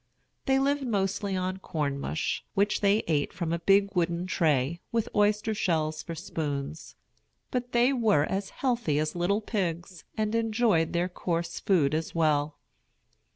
They lived mostly on corn mush, which they ate from a big wooden tray, with oyster shells for spoons. But they were as healthy as little pigs, and enjoyed their coarse food as well.